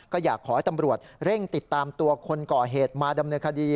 ก็อยากขอให้ตำรวจเร่งติดตามตัวคนก่อเหตุมาดำเนินคดี